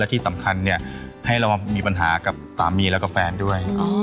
ที่สำคัญให้เรามีปัญหากับสามีแล้วก็แฟนด้วย